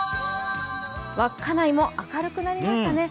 稚内も明るくなりましたね。